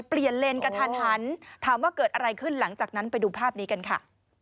เปลี่ยนเลนกระทันหันถามว่าเกิดอะไรขึ้นหลังจากนั้นไปดูภาพนี้กันค่ะ